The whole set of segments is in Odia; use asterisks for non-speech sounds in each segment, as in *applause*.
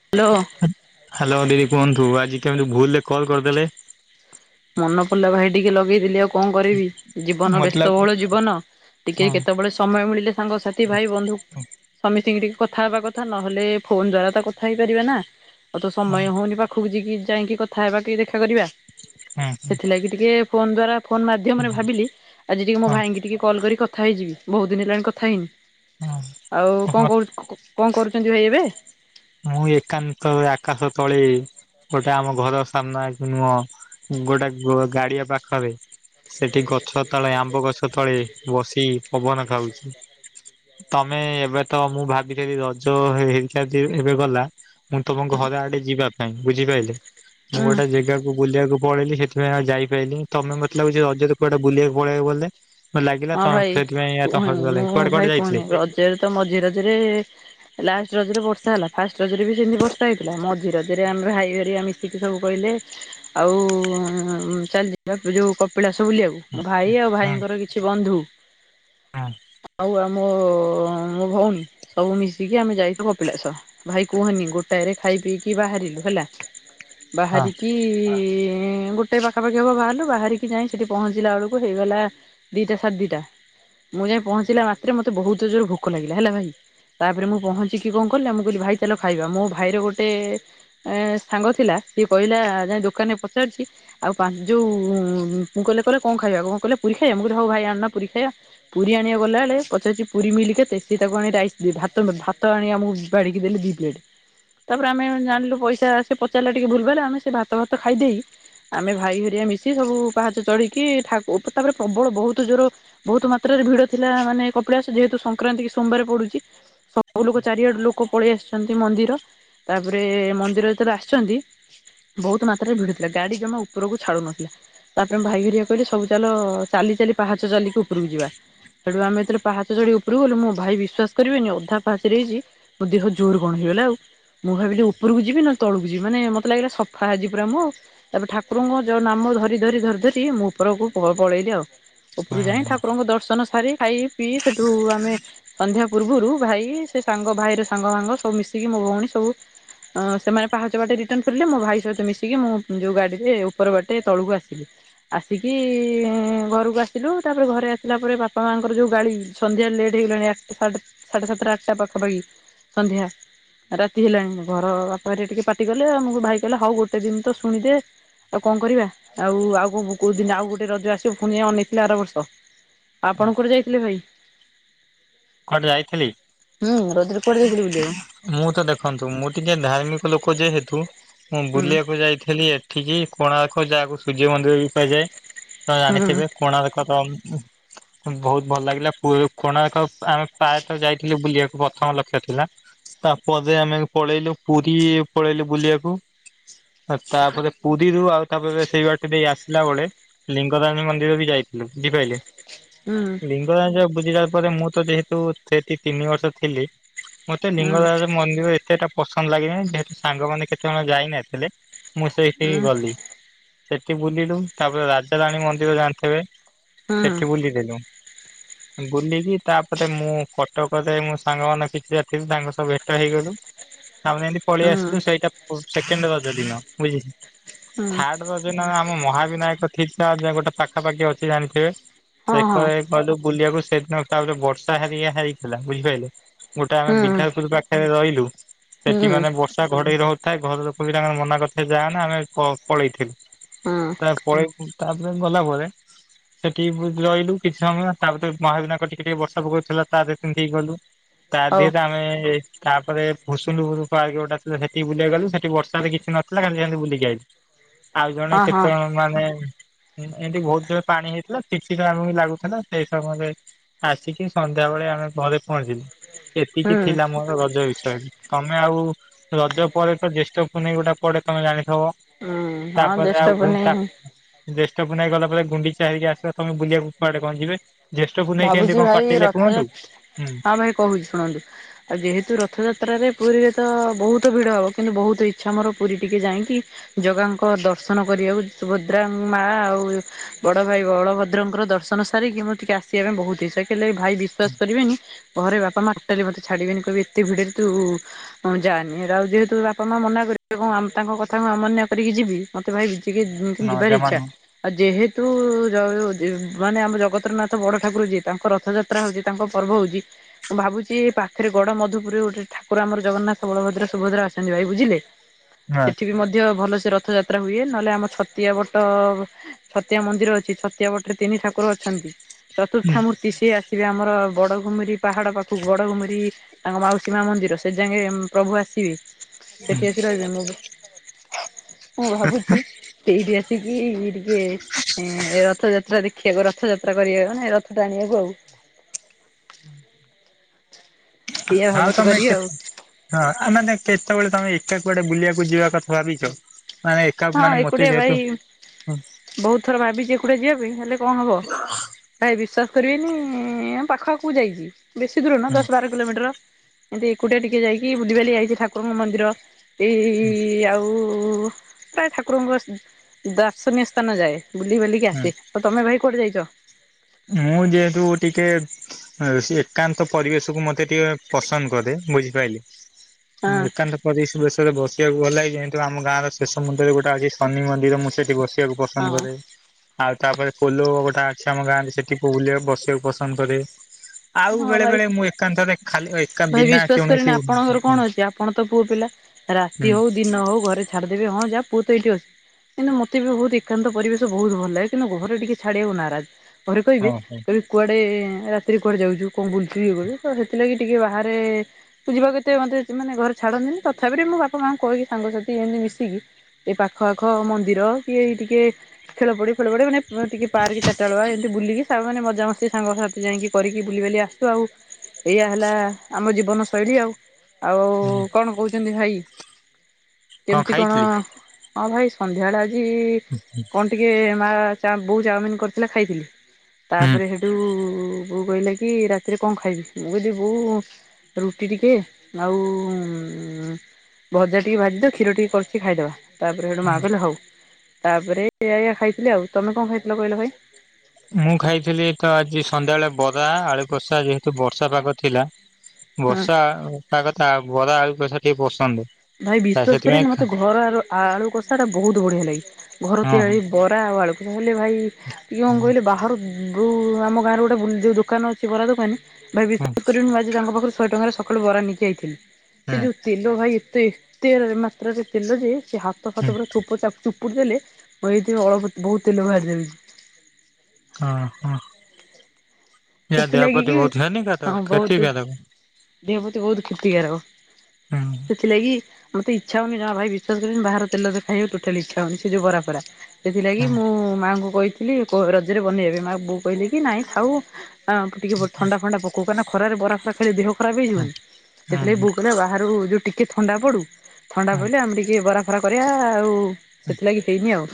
ହ୍ୟାଲୋ ହ୍ୟାଲୋ ଦିଦି କୁହନ୍ତୁ ଆଜି କେମିତି ଭୁଲରେ କଲ୍ କରିଦେଲେ? ମନେ ପଡ଼ିଲା ଭାଇ ଟିକେ ଲଗେଇଦେଲି ଆଉ କଣ କରିବି ଜୀବନ ମତଲବ ବ୍ୟସ୍ତବହୁଳ ଜୀବନ ଟିକେ ହଁ। କେତେବେଳେ ସମୟ ମିଳିଲେ ସାଙ୍ଗ ସାଥି ଭାଇ ବନ୍ଧୁ ସ ହଁ ସମିସ୍ତିଙ୍କି ଟିକେ କଥାହବା କଥା ନହେଲେ ଫୋନ୍ ଦ୍ଵାରା ତ କଥା ହେଇପାରିବା ନା? ଆଉ ତ ସମୟ ହଉନି ପାଖକୁ ଯିକି ଯାଇକି କଥା ହେବା କି ଦେଖା କରିବା ସେଥିଲାଗି ଟିକେ ଫୋନ ଦ୍ଵାରା ଫୋନ ମାଧ୍ୟମରେ ଭାବିଲି ଆଜି ଟିକେ ମୋ ହଁ ଭାଇଙ୍କି ଟିକେ କଲ୍ କରି କଥା ହେଇଯିବି ବହୁତ ଦିନ ହେଲାଣି କଥା ହେଇନି ଆଉ ହଁ ହଁ। କଣ କରୁ କଣ କରୁଛନ୍ତି ଭାଇ ଏବେ? ମୁଁ ଏକାନ୍ତ ଆକାଶ ତଳେ ଗୋଟେ ଆମ ଘର ସାମ୍ନା କି ନୁହଁ ଗୋଟେ ଗାଡ଼ିଆ ପାଖରେ ସେଠି ଗଛ ତଳେ ଆମ୍ବ ଗଛ ତଳେ ବସି ପବନ ଖାଉଛି ତମେ ଏବେ ତ ମୁଁ ଭାବିଥିଲି ରଜ ହେଇଥା ଏବେ ଗଲା ମୁଁ ତମ ଘର ଆଡ଼େ ଯିବା ପାଇଁ ବୁଝିପାଇଲେ ମୁଁ ହୁଁ। ଗୋଟେ ଯେଗାକୁ ବୁଲିବାକୁ ପଳେଇଲିି ସେଥି ସେଥିପାଇଁ ଆଉ ଯାଇପାଇଲିନି ତମେ ମତେ ଲାଗୁଛି ରେ ରେ କୁଆଡେ ବୁଲିବାକୁ ପଳେଇବ ବୋଧେ ହଁ ଲାଗିଲା ତମ ସେଥିପାଇଁ ଆଉ ତା କୁଆଡେ ଯାଇଥିଲେ? ସେରେ ତ ମଝି ରଜରେ ଏ ଲାଷ୍ଟ ରଜରେ ବର୍ଷା ହେଲା। ଫାଷ୍ଟ ରଜରେ ବି ସେମିତି ବର୍ଷା ହେଇଥିଲା। ମଝି ରଜରେ ଆମ ହାଇ ହରିକା ସେଇଠି ସବୁ କହିଲେ ଆଉ ଚାଲଯିବା ଏ ଯୋଉ କପିଳା ସ ବୁଲିବାକୁ। ମୋ ଭାଇ ଆଉ ଭାଇଙ୍କର କିଛି ବନ୍ଧୁ ହଁ। ଆଉ ଆମ ମୋ ଭଉଣୀ ସବୁ ମିଶ କି ଆମେ ଯାଇଚୁ କପିଳାସ ଭାଇ କୁହନି ଗୋଟାଏରେ ଖାଇ ପିଇକି ବାହାରିଲୁ ହେଲା। ହଁ ବାହାରିକ କି ଗୋଟେ ପାଖାପାଖି ହବ ବାହାରିଲୁ। ବାହାରିକି ଯାଇ ସେଠି ପହଞ୍ଚିଲା ବେଳକୁ ହେଇଗଲା ଦିଟା ସାଢ଼େ ଦିଟା। ମୁଁ ଯାଇ ପହଞ୍ଚିଲା ମାତ୍ରେ ମତେ ବହୁତ ଜୋର ଭୋକ ଲାଗିଲା ହେଲା ଭାଇ। ତାପରେ ମୁଁ ପହଞ୍ଚିକି କଣ କଲି ନା ମୁଁ କହିଲି ଭାଇ ଚାଲ ଖାଇବା। ମୋ ଭାଇର ଗୋଟେ ଏ ସାଙ୍ଗ ଥିଲା ସିଏ କହିଲା ଯାଇ ଦୋକାନରେ ପଚାରୁଚି। ଆଉ ପା ଯୋଉ ମୁଁ କହିଲେ କହିଲ କଣ ଖାଇବା କଣ କହିଲେ ପୁରୀ ଖାଇବା ମୁଁ କିହଲି ହଉ ଭାଇ ଆଣନା ପୁରୀ ଖାଇବା। ପୁରୀ ଆଣିବା ଗଲାବେଳେ ପଚାରୁଚି ପୁରୀ ମିଲ କେତେ? ତ ତାକୁ ଆଣି ରାଇସ୍ ଦ ଭାତ ଭାତ ଆଣିବ ଆମକୁ କାଡ଼ିକି ଦେଲେ ଦୀ ପ୍ଲେଟ। ତାପରେ ଆମେ ଜାଣିଲୁ ପଇସା ସେ ପଚାରିଲା ଟିକେ ଭୁଲ ଭାଲ ଆମେ ସେ ଭାତ ଭାତ ଖାଇଦେଇ ଆମେ ଭାଇ ହରିଆ ମିଶି ସବୁ ପାହାଚ ଚଢିକି ଠାକୁ ତାପରେ ପ୍ରବଳ ବହୁତ ଜୋର ବହୁତ ମାତ୍ରାରେ ଭିଡ ଥିଲା ମାନେ କପିଳାସ ଯେହେତୁ ସଂକ୍ରାନ୍ତି କି ସୋମବାର ପଡୁଚି। ସବୁ ଲୋକ ଚାରିଆଡରୁ ଲୋକ ପଳେଇ ଆସିଚନ୍ତି ମନ୍ଦିର। ତାପରେ ମନ୍ଦିର ଭିତରେ ଯେତେବେଳେ ଆସିଚନ୍ତି। ବହୁତ ମାତ୍ରାରେ ଭିଡ଼ଥିଲା। ଗାଡ଼ି ଜମା ଉପରକୁ ଛାଡ଼ୁନଥିଲା। ତାପରେ ଭାଇ ହରିକା କହିଲେ ସବୁ ଚାଲ। ଚାଲି ଚାଲି ପାହାଚ ଚାଲିକି ଉପରକୁ ଯିବା। ସେଠୁ ଆମେ ଯେତେବେଳେ ପାହାଚ ଚଢି ଉପରୁକୁ ଗଲୁ ମୋ ଭାଇ ବିଶ୍ୱାସ କରିବେନି ଅଧା ପାହାଚରେ ହେଇଚି ମୋ ଦେହ ଜୋର କଣ ହେଇଗଲା ଆଉ। ମୁଁ ଭାବିଲି ଉପରକୁ ଯିବି ନା ତଳକୁ ଯିବି ମାନେ ମତେ ଲାଗିଲା ସଫା ଆଜି ପୁରା ମୁ। ତାପରେ ଠାକୁରଙ୍କ ଯୋଉ ନାମ ଧରି ଧରି ଧରି ଧରି ମୁଁ ଉପରକୁ ପ ପଳେଇଲି ଆଉ। ଉପରୁ ହୁଁ ଯାଇ ହୁଁ ଠାକୁରଙ୍କ ଦର୍ଶନ ସାରି ଖାଇ ପିଇ ସେଠୁ ଆମେ ସନ୍ଧ୍ୟା ପୂର୍ବରୁ ଭାଇ ସେ ସାଙ୍ଗ ଭାଇର ସାଙ୍ଗ ଫାଙ୍ଗ ସବୁ ମିଶିକି ମୋ ଭଉଣୀ ସବୁ ଅ ସେମାନେ ପାହାଚ ବାଟେ ରିଟର୍ନ କରିଲେ। ମୋ ଭାଇ ସହିତ ମିଶିକି ମୁଁ ଯୋଉ ଗାଡିରେ ଉପର ବାଟେ ତଳକୁ ଆସିଲି। ଆସିକି ଘରକୁ ଆସିଲୁ ତାପରେ ଘରେ ଆସିଲା ପରେ ବାପା ମାଆଙ୍କର ଯୋଉ ଗାଳି। ସନ୍ଧ୍ୟାରେ ଲେଟ୍ ହେଇଗଲାଣି ଆଠଟା ସାଢେ ସାଢ଼େ ସାତଟା ଆଠଟା ପାଖ ପାଖି ସଂଧ୍ୟା। ରାତି ହେଲାଣି ଘର ବାପା ହରିକା ଟିକେ ପାଟି କଲେ ଆଉ ଭାଇ କହିଲେ ହଉ ଗୋଟେ ଦିନ ତ ଶୁଣିଦେ। ତ କଣ କରିବା ଆଉ ଆଉ କ କୋଉ ଦିନ ଆଉ ଗୋଟେ ରଜ ଆସିବ। ପୁଣି ଅନେଇଥିଲେ ଆର ବର୍ଷ। ଆପଣଙ୍କ କଉଁଠେ ଯାଇଥିଲେ ଭାଇ? କୁଆଡ଼େ ଯାଇଥିଲି? ହୁଁ ରଜରେ କୁଆଡେ ଯାଇଥିଲେ ବୁଲିବାକୁ? ମୁଁ ତ ଦେଖନ୍ତୁ, ମୁଁ ଟିକିେ ଧାର୍ମିକ ଲୋକ ଯେହେତୁ ମୁଁ ହୁଁ ବୁଲିବାକୁ ଯାଇଥିଲି ଏଠିକି କୋଣାର୍କ ଯାହାକୁ ସୂର୍ଯ୍ୟ ମନ୍ଦିର ବି କୁହାଯାଏ, ତ ହୁଁ ଜାଣିଥିବେ କୋଣାର୍କ ତ ବହୁତ ଭଲ ଲାଗିଲା। ପୁରି କୋଣାର୍କ ଏକ ଆମେ ପ୍ରାୟତଃ ଯାଇଥିଲୁ ବୁଲିବାକୁ ପ୍ରଥମ ଲକ୍ଷ୍ୟ ଥିଲା। ତାପରେ ଆମେ ପଳେଇଲୁ ପୁରୀ ପଳେଇଲୁ ବୁଲିବାକୁ। ଆଉ ତାପରେ ପୁରୀରୁ ଆଉ ତାପରେ ସେଇ ବାଟେ ଦେଇ ଆସିଲା ବେଳେ ଲିଙ୍ଗରାଜ ମନ୍ଦିର ବି ଯାଇଥିଲୁ ବୁଝିପାରିଲେ। ହୁଁ। ବୁଝିଲା ପରେ ମୁଁ ତ ଯେହେତୁ ସେଠି ତିନି ବର୍ଷ ଥିଲି ମତେ ହୁଁ ଲିଙ୍ଗରାଜ ମନ୍ଦିର ଏତେଟା ପସନ୍ଦ ଲାଗିଲାନି ଯେହେତୁ ସାଙ୍ଗମାନେ କେତେଜଣ ଯାଇନଥିଲେ। ମୁଁ ହୁଁ ସେଇଠିକି ଗଲି ସେଠି ବୁଲିଲୁ ତାପରେ ରାଜାରାଣୀ ମନ୍ଦିର ଜାଣିଥିବେ? ହୁଁ ସେଠି ବୁଲିଦେଲୁ ବୁଲିକି ତାପରେ ମୁଁ କଟକ ରେ ମୁଁ ସାଙ୍ଗ ମାନ କିଛିଟା ଥିଲେ ତାଙ୍କ ସହ ଭେଟ ହେଇଗଲୁ। ତାପରେ ଏମତି ପଳେଇ ହୁଁ ଆସିଲୁ ସେଇଟା ସେକଣ୍ଡ ରଜ ଦିନ ବୁଝି *unintelligible* ହୁଁ। ରଜ ଦିନ ଆମ ମହାବିନାୟକ *unintelligible* ଗୋଟେ ପାଖାପାଖି ଅଛି ଜାଣିଥିବେ ହଁ ସେ ହଁ ବୁଲିବାକୁ ସେଦିନ ତାପରେ ବର୍ଷା ହାରିକ ହେଇଥିଲା ବୁଝିପାରିଲେ? ଗୋଟେ ଆମେ ହୁଁ ବିଧାପୁର ପାଖରେ ରହିଲୁ ସେଠି ହୁଁ ମାନେ ବ ଘଡେଇ ରହୁଥାଏ ଘର ଲୋକ ବି ତାଙ୍କର ମନା କରଥିଲେ ଯାଅନା ଆମେ ପଳେଇଥିଲୁ। ହଁ ତାପରେ ପୁ ତାପରେ ଗଲା ପରେ ସେଠି ରହିଲୁ କିଛି ସମୟ ତାପରେ ମହାବିନାୟକ ଟିକେ ଟିକେ ବର୍ଷା ପକଉଥିଲା ତା ଦେହରେ ସେମତି ହେଇ ଗଲୁ ତା ହଉ ଦେହେରେ ଆମେ ତାପରେ ଭୁସୁୁଲୁହୁରୁ ପାର୍କ ଗୋଟା ଥିଲା ସେଠି ବୁଲିବା ଗଲୁ ସେଠି ବର୍ଷାରେ କିଛି ନଥିଲା ଖାଲି ସେମିତି ବୁଲିକି ଆଇଲୁ। ଆଉ ଜଣେ ହଁ ହଁ କେତେ ଜଣ ମାନେ ଏମତି ବହୁତ ଜୋରେ ପାଣି ହେଇଥିଲା। *unintelligible* ଆମକୁ ବି ଲାଗୁଥିଲା। ସେଇ ସମୟରେ ଆସିକି ସନ୍ଧ୍ୟାବେଳେ ଆମେ ଘରେ ପହଞ୍ଚିଲୁ ସେତିକି ହୁଁ ଥିଲା ମୋର ରଜ ବିଷୟରେ। ତମେ ଆଉ ରଜ ପରେ ତ ଜ୍ୟେଷ୍ଠ ପୁନେଇ ଗୋଟେ ପଡେ ତମେ ଜାଣିଥବ ହୁଁ ହଁ ତାପରେ ଆଉ ଜ୍ୟେଷ୍ଠ ପୁନେଇଁ ଭୁଟାକ ଜ୍ୟେଷ୍ଠ ପୁନେଇ ଗଲା ପରେ ଗୁଣ୍ଡିଚା ହରିକା ଆସିବ ତମେ ବୁଲିବାକୁ କୁଆଡେ କଣ ଯିବେ ପୁନେଇ କେମିତି ଭାବୁଛି କଣ ଭାଇ କଟେଇଲେ କୁହନ୍ତୁ? ହୁଁ ରଥଯାତ୍ରା ହଁ ଭାଇ କହୁଛି ଶୁଣନ୍ତୁ? ଆଉ ଯେହେତୁ ରଥଯାତ୍ରାରେ ପୁରୀରେ ତ ବହୁତ ଭିଡ ହବ କିନ୍ତୁ ବହୁତ ଇଚ୍ଛା ମୋର ପୁରୀ ଟିକେ ଯାଇକି ଜଗାଙ୍କ ଦର୍ଶନ କରିବାକୁ ସୁଭଦ୍ରା ମା ଆଉ ବଡ ଭାଇ ବଳଭଦ୍ରଙ୍କର ଦର୍ଶନ ସାରିକି ମତେ ଆସିବା ପାଇଁ ବହୁତ ଇଚ୍ଛା ହେଲେ ଭାଇ ବିଶ୍ଵାସ କରିବେନି ଘରେ ବାପା ମା ଟୋଟଲି ମତେ ଛାଡିବେନି କହିବେ ଏତେ ଭିଡରେ ତୁ ହଁ ଯାଆନି ଆଉ ଯେହେତୁ ବାପା ମା ମନା କରିବେ ତାଙ୍କ କଥା ମୁ ଅମାନ୍ୟ କରିକି ଯିବି ମତେ ଭାଇ ଟିକେ ହଁ ଯିବାର ଜମା ନୁହଁ ଇଚ୍ଛାଆଉ ଯେହେତୁ ମାନେ ଆମ ଜଗତରନାଥ ବଡ ଠାକୁର ଯିଏ ତାଙ୍କ ରଥଯାତ୍ରା ହଉଛି ତାଙ୍କ ପର୍ବ ହଉଛି ମୁଁ ଭାବୁଛି ଏ ପାଖରେ ଗଡ ମଧୁପୁରରେ ଗୋଟେ ଠାକୁର ଆମର ଜଗନ୍ନାଥ ବଳଦ୍ର ସୁଭଦ୍ରା ଅଛନ୍ତି ଭାଇ ବୁଝିଲେ। ହଁ ସେଠି ବି ମଧ୍ୟ ଭଲସେ ରଥଯାତ୍ରା ହୁଏ। ନହେଲେ ଆମ ଛତିଆ ବଟ ଛତିଆ ମନ୍ଦିର ଅଛି ଛତିଆ ମଠରେ ତିନି ଠାକୁର ଅଛନ୍ତି ଚତୁର୍ଥା ମୂର୍ତ୍ତି ସିଏ ଆସିବେ ଆମର ବଡ଼ଘୁମିରି ପାହାଡ଼ ପାଖକୁ ବଡ଼ଘୁମିରି ତାଙ୍କ ମାଉସୀ ମା ମନ୍ଦିର ସେ ଯାକେ ପ୍ରଭୁ ଆସିବେ ସେଠି ଆସି ରହିବେ ମୁଁ ମୁଁ ଭାବୁଛି ସେଇଠି ଆସିକି ଟିକେଏ ରଥଯାତ୍ରା ଦେଖିବାକୁ ରଥଯାତ୍ରା କରିବାକୁ ନା ଏଇ ରଥ ଟାଣିବାକୁ ଆଉ। ଏଇଆ ଆଉ ଭାବୁଛି ତମେ କରିବି ଆଉ। କେତେ ହଁ ଆ ମାନେ କେତେବେଳେ ତମେ ଏକା କୁଆଡେ ବୁଲିବାକୁ ଯିବା କଥା ଭାବିଛ? ମାନେ ଏକା ହଁ ମାନେ ମତେ ଏକୁଟିଆ ଭାଇ ଯେହେତୁ ହୁଁ ବହୁତ ଥର ଭାବିଛି ଏକୁଟିଆ ଯିବା ପାଇ ହେଲେ କଣ ହବ ଭାଇ ବିଶ୍ଵାସ କରିବେନି ପାଖ ପାଖକୁ ଯାଇଛିି ବେଶୀ ଦୂର ନୁହଁ ହୁଁ ଦଶ ବାର କିଲୋମିଟର ଏମତି ଏକୁଟିଆ ଟିକେ ଯାଇକି ବୁଲିିବାଲି ଆଇଛି ଠାକୁରଙ୍କ ମନ୍ଦିର ଏଇ ହୁଁ ଆଉ ପ୍ରାୟ ଠାକୁରଙ୍କ ଦାର୍ଶନୀୟ ସ୍ଥାନ ଯାଏ ବୁଲି ବୁଲିକି ଆସେ ଆଉ ତମେ ଭାଇ କୁଆଡେ ଯାଇଛ? ମୁଁ ଯେହେତୁ ଟିକେ ଏକାନ୍ତ ପରିବେଶକୁୁ ମତେ ଟିକେ ପସନ୍ଦ କରେ ବୁଝିପାରିଲେ। ହଁ ଏକାନ୍ତ ପରିବେଶରେ ବସିବାକୁ ଭଲ ଲାଗେ। ଯେହେତୁ ଆମ ଗାଁ ର ଶେଷ ମନ୍ଦିରରେ ଗୋଟେ ଅଛି ଶନି ମନ୍ଦିର ମୁଁ ସେଠି ବସିି ବସିବାକୁ ପସନ୍ଦ କରେ। ହଁ ଆଉ ତାପରେ ପୋଲୋ ଗୋଟେ ଅଛି ଆମ ଗାଁ ରେ ସେଠି ବୁଲିବାକୁ ବସିବାକୁ ପସନ୍ଦ କରେ। ଆଉ ହଁ ବେଳେ ଭାଇ ବେଳେ ମୁଁ ଏକାନ୍ତରେ ଖାଲି ଏକା ଭାଇ ବିନା ବିଶ୍ଵାସ କୌଣସି କରିବେନି ହୁଁ ଆପଣଙ୍କର କଣ ଅଛି ଆପଣ ତ ପୁଅ ପିଲା। ହୁଁ ରାତି ହଉ ଦିନ ହଉ ଘରେ ଛାଡିଦେବେ ହଁ ଯା ପୁଅ ତ ଏଇଠି ଅଛି। କିନ୍ତୁ ମତେ ବି ବହୁତ ଏକାନ୍ତ ପରିବେଶ ବହୁତ ଭଲ ଲାଗେ, କିନ୍ତୁ ଘରେ ଟିକେ ଛାଡିଆକୁ ନାରାଜ। ଘରେ କହିବେ ଓହୋ କହିବେ କୁଆଡେ ରାତିରେ କୁଆଡେ ଯାଉଛୁ? କଣ ବୁଲୁଛୁ ଇଏ ବୋଲି ସେଥିଲାଗି ଟିକେ ବାହାରେ ଯିବାକୁ ଏତେ ମତେ ମାନେ ଘର ଛାଡ଼ନ୍ତିନି? ତଥାପି ମୋ ବାପା ମାଆଙ୍କୁ କହିକି ସାଙ୍ଗସାଥି ଏମିତି ମିଶିକି ଏ ପାଖ ଆଖ ମନ୍ଦିର କି ଟିକେ ଖେଳ ପଡିଆ ଫେଳ ପଡିଆ, ମାନେ ଟିକେ ପାର୍କ ଚାରିଟା ବେଲିଆ ଏମିତି ବୁଲିକି ସାଙ୍ଗ ମାନେ ମଜାମସ୍ତି ସାଙ୍ଗ ସାଥି ଯାଇକି କରିକି ବୁଲି ବାଲି ଆସୁ ଆଉ ଏଇଆ ହେଲା ଆମ ଜୀବନଶୈଳୀ ଆଉ ଆଉ *inaudible* କଣ କହୁଛନ୍ତି ଭାଇ? କେମିତି କଣ? ହଁ ଭାଇ ସନ୍ଧ୍ୟାବେଳେ ଆଜି କଣ ଟିକେ? ମା ବୋଉ ଚାଓମିନ୍ କରିଥିଲେ ଖାଇଥିଲି। ହୁଁ ତାପରେ ସେଠୁ, ବୋଉ କହିଲା କି ରାତିରେ କଣ ଖାଇବୁ ମୁଁ କହିଲି ବୋଉ ରୁଟି ଟିକେ, ଆଉ ଭଜା ଟିକେ ଭାଜିଦେ, କ୍ଷୀର ଟିକେ କରିଚି ଖାଇଦେବା ତାପରେ ସେଟୁ ମା ହୁଁ କହିଲା ହଉ ତା ପରେ ଏଇଆ ଏଇଆ ଖାଇଥିଲି ଆଉ, ତମେ କଣ ଖାଇଥିଲ କହିଲ ଭାଇ? ମୁଁ ଖାଇଥିଲି ତ ଆଜି ସନ୍ଧ୍ୟାବେଳେ ବରା, ଆଳୁକଷା ଯେହେତୁ ବର୍ଷା ପାଗ ଥିଲା। ହଁ। ବର୍ଷା ପାଗ ତା ବରା ଆଳୁକଷା ଟିକେ ପସନ୍ଦ। ଭାଇ ତା ବିଶ୍ଵାସ ସେଥିପାଇଁ କରିବେନି, ଖା ମତେ ଘର ଆଳୁ କଷାଟା ବହୁତ୍ ବଢିଆ ଲାଗେ ଘର ହଁ ହଁ ତିଆରି ବରା ଆଳୁ କହିଲେ ଭାଇ ହୁଁ କହିଲେ ବାହାରୁ ଯୋଉ ଆମ ଗାଁ ର ଗୋଟେ ଯୋଉ ଦୋକାନ ଅଛି ବରା ଦୋକାନୀ ଭାଇ ହୁଁ ବିଶ୍ୱାସ କରିବେନି ଆଜି ତାଙ୍କ ପାଖରୁ ଶହ ଟଙ୍କାର ସକାଳେ ବରା ନେଇକି ଆସିଥିଲି, ସେ ଯୋଉ ତେଲ ଭାଇ ଏତେ ଏତେ ଯେ ସେ ତେଲ ଯେ ହାତ ହୁଁ ହୁଁ ଫାତ ପୁରା ଚିପୁଡି ଦେଲେ ହେଇଥିବ ଅଳ୍ପ ବହୁତ ତେଲ ବାହାରିଯାଉଚି। ହଁ ହଁ ସେଥିଲାଗି ଦେହପତି କି ବହୁତ ହେନି କାରକ ହଁ ବହୁତ ଖେତି କାରକ। ଦେହ ପ୍ରତି ବହୁତ କ୍ଷତିକାରକ। ହୁଁ ସେଥିଲାଗି ମତେ ଇଛା ହଉନି ଜମା ଭାଇ ବିଶ୍ୱାସ କରିବନି ବାହାର ତେଲ ଖାଇବାକୁ ଟୋଟାଲି ଇଛା ହଉନି ସେଇ ଯୋଉ ବରାପରା। ସେଥିଲାଗି ହୁଁ ମୁଁ ମାଆଙ୍କୁ କହିଥିଲି, ରଜରେ ବନେଇବାକୁ ମା, ବୋଉ କହିଲେ କି ନାଇଁ ଥାଉ। ହଁ ଟିକେ ଥଣ୍ଡା ଫଣ୍ଡା ପକାଉ କାରନ ଖରାରେ ବରା ଫରା ଖାଇଲେ ଦେହ ଖରାପ ହୁଁ ହେଇଯିବନି। ହୁଁ ସେଥିଲାଗି ବୋଉ କହିଲା, ବାହାରୁ ଯେଉଁ ଟିକିଏ ଥଣ୍ଡା ପଡ଼ୁ ଥଣ୍ଡା ହୁଁ। ପଡ଼ିଲେ ଆମେ ଟିକେ ବରାଫରା କରିବା ଆଉ ସେଥିଲାଗି ହେଇନି ଆଉ,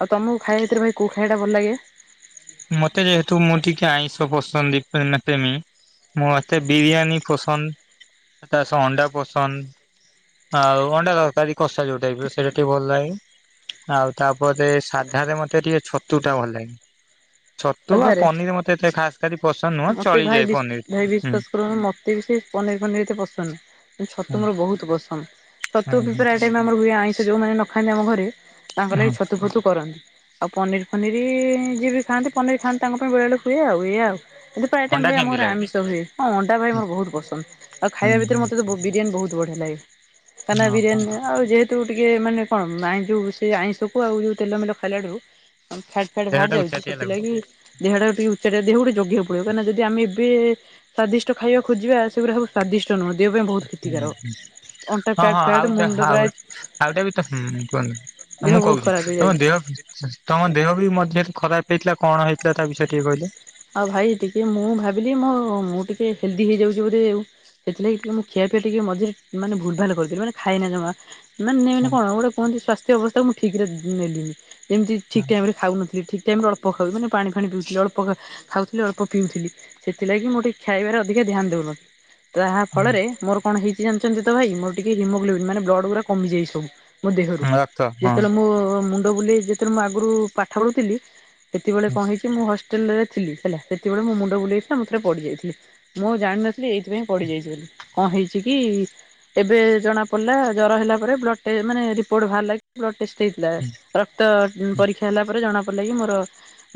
ଆଉ ତମକୁ ଖାଇବା ଭିତରେ ଭାଇ କୋଉ ଖାଇବାଟା ଭଲ ଲାଗେ? ମତେ ଯେହେତୁ, ମୁଁ ଟିକେ ଆଇଁଷ ପସନ୍ଦ ପ୍ରେମୀ ମତେ ବିରିୟାନୀ ପସନ୍ଦ, ତା ସହ ଅଣ୍ଡା ପସନ୍ଦ। ଆଉ ଅଣ୍ଡା ତରକାରୀ କଷା ଯୋଉଟାଇପର ସେଇଟା ଟିକେ ଭଲ ଲାଗେ। ଆଉ ତାପରେ, ସାଧାରେ ମତେ ଟିକେ ଛତୁଟା ଭଲ ଲାଗେ। ଛତୁ ଆଉ ସାଧାରେ? ପନିର ମତେ ଏତେ ଖାସ୍ କରି ପସନ୍ଦ ନୁହଁ ଚଳିଯାଏ ପନିର ହୁଁ। ହୁଁ ମୋତେ ବି ସେଇ ପନିର ଫନିର ଏତେ ପସନ୍ଦ ନୁହଁ, ଛତୁ ହୁଁ ମୋର ବହୁତ ପସନ୍ଦ ଛତୁ ହୁଁ ବି ହୁଁ ପ୍ରାୟ ଆମର ଆଇଁଷ ଯୋଉମାନେ ନ ଖାନ୍ତି ଆମ ଘରେ ତାଙ୍କ ଲାଗି ହଁ ଛତୁ ଫତୁ କରନ୍ତି। ଆଉ ପନିର ଫନିର ଯିଏ ବି ଖାଆନ୍ତି ପନିର ଖାଆନ୍ତି ତାଙ୍କ ପାଇଁ ବେଳେ ବବେଳେଲେ ହୁଏ ଆଉ ଏଇଆ ଆଉ। ଏଥିପାଇଁ ଅଣ୍ଡା ଭାଇ କେମିତି ଆମଘରେ ଲାଗେ? ଆମିଷ ହୁଏ ହଁ ଅଣ୍ଡା ଭାଇ ମୋର ବହୁତ ପସନ୍ଦ। ଆଉ ହୁଁ ଖାଇବା ଭିତରେ ହୁଁ ମତେ ତ ବିରିୟାନ ବହୁତ ବଢିଆ ଲାଗେ। କାଇକିନା ଓହୋ ବିରିୟାନୀ ଆଉ ଯେହେତୁ ଟିକେ ମାନେ କଣ ଆଇଁ ଯେଉଁ ସେ ଆଇଁଷକୁ ଆଉ ଯେଉଁ ତେଲମେଲ ଖାଇଲାଠୁ ଫ୍ୟାଟ ସେଟା ଦେହଟା ବାହାରି ଯାଉଛି! ଉଚାଟିଆ ଲାଗୁଛି। ସେଥିଲାଗି ଦେହଟା ଟିକେ ଉଚ୍ଚା ଦେହ ଗୋଟେ ଜଗିବାକୁ ପଡିବ କାହିଁକିଣା ଯଦି ଆମେ ଏବେ ସ୍ଵାଦିଷ୍ଟ ଖାଇବା ଖୋଜିବା ସେଗୁଡା ସବୁ ସ୍ଵାଦିଷ୍ଟ ନୁହେଁ ଦେହ ପାଇଁ ବହୁତ କ୍ଷତି ହୁଁ କାରକ ହୁଁ ଅଣ୍ଟା ହଁ ଫ୍ୟାଟ୍ ହଁ ଫ୍ୟାଟ୍ ଆଉ ତା ମୁଣ୍ଡ ଆଉ ପ୍ରାୟ ଆଉଟା ବି ତ ହୁଁ କୁହନ୍ତୁ ଦେହ ମୁଁ ବହୁତ କହୁଛି ଖରାପ ତମ ହେଇଯାଉଛି। ଦେହ ତମ ଦେହ ବି ମଝିରେ ଖରାପ ହେଇଥିଲା କଣ ହେଇଥିଲା ତା ବିଷୟରେ ଟିକେ କହିଲେ? ଆଉ ଭାଇ ଟିକେ ମୁଁ ଭାବିଲି ମୋ ମୁଁ ଟିକେ ହେଲ୍ଦି ହେଇଯାଉଛି ବୋଧେ ଆଉ। ସେଥିଲାଗି ଟିକେ ମୁଁ ଖିଆ ପିଆ ଟିକେ ମଝିରେ ମାନେ ଭୁଲ୍ ଭାଲ୍ କରିଥିଲି ମାନେ ଖାଏନା ଜମା। ନାଁ ନାଇଁ ମାନେ କଣ ଗୋଟେ କୁହନ୍ତି ସ୍ୱାସ୍ଥ୍ୟ ଅବସ୍ଥା ମୁଁ ଠିକ୍ ରେ ନେଲିନି ଯେମିତି ଠିକ୍ ଟାଇମ ରେ ଖାଉନଥିଲ ଠିକ୍ ଯେମରେ ଅଳ୍ପ ଖାଉ ମାନେ ପାନି ଫାଣି ପିଉଥିଲି ଅଳ୍ପ ଖା ଖାଉଥିଲି ଅଳ୍ପ ପିଉଥିଲି ସେଥିଲାଗି ମୁଁ ଟିକିଏ ଖାଇବାରେ ଅଧିକା ଧ୍ୟାନ ଦେଉନଥିଲି ତାହା ଫଳରେ ମୋର କଣ ହେଇଚି ଜାଣିଛନ୍ତି ତ ଭାଇ ମୋର ଟିକେ ହିମୋଗ୍ଲୋବିନ୍ ମାନେ ବ୍ଲଡ଼ ଗୁଡା କମିଯାଇଛି ସବୁ। ମୋ ଦେହରୁ ରକ୍ତ ହଁ ଯେତେବେଳେ ମୋ ମୁଣ୍ଡ ବୁଲେଇ ଯେତେବେଳେ ମୁଁ ଆଗରୁ ପାଠ ପଢୁଥିଲି? ସେତେବେଳେ ହଁ କଣ ହେଇଛି ମୁଁ ହଷ୍ଟେଲ ରେ ଥିଲି ହେଲା ସେତେବେଳେ ମୋ ମୁଣ୍ଡ ବୁଲେଇଥିଲା ମୁଁ ଥରେ ପଡିଯାଇଥିଲି। ମୁଁ ଜାଣିନଥିଲି ଏଇଥିପାଇଁ ପଡିଯାଇଛି ବୋଲି କଣ ହେଇଛି କି ଏବେ ଜଣା ପଡ଼ିଲା ଜର ହେଲା ପରେ ବ୍ଲଡ଼ ଟେ ମାନେ ରିପୋର୍ଟ ବାହାରଲାକି ବ୍ଲଡ୍ ଟେଷ୍ଟ ହେଇଥିଲା ରକ୍ତ ପରୀକ୍ଷା ହେଲା ପରେ ଜଣା ପଡ଼ିଲା କି ମୋର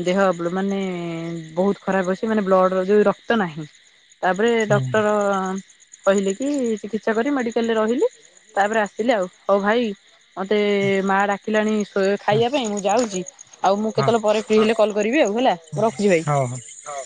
ଦେହ ମାନେ ଏ ବହୁତ ଖରାପ ଅଛି ମାନେ ବ୍ଲଡ଼ ର ଯୁ ରକ୍ତ ନାହିଁ ତାପରେ ଡକ୍ଟର କହିଲେ କି ଚିକିତ୍ସା କରି ମେଡିକାଲରେ ରହିଲି ତାପରେ ଆସିଲେ ଆଉ ହଉ ଭାଇ ମତେ ମା ଡାକିଲାଣି ଶୋ ହଁ ଖାଇବା ପାଇଁ ମୁଁ ଯାଉଛି ଆଉ ମୁଁ ହଉ କେତେବେଳେ ପରେ ଫ୍ରି ହେଲେ କଲ କରିବି ଆଉ ହେଲା ମୁଁ ରଖୁଛି ହଉ। ଭାଇ।